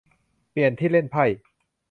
เปลี่ยนที่เล่นไพ่